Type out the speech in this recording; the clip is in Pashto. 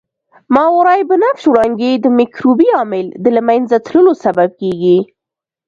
ماورای بنفش وړانګې د مکروبي عامل د له منځه تلو سبب کیږي.